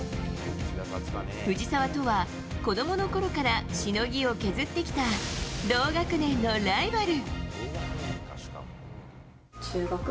藤澤とは、子供のころからしのぎを削ってきた同学年のライバル。